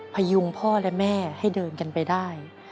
พยุงพ่อและแม่ให้เดินกันไปได้